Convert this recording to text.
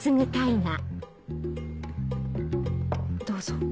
どうぞ。